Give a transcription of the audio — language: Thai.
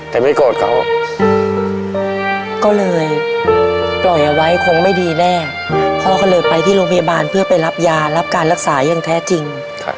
แต่ไม่โกรธเขาก็เลยปล่อยเอาไว้คงไม่ดีแน่พ่อก็เลยไปที่โรงพยาบาลเพื่อไปรับยารับการรักษาอย่างแท้จริง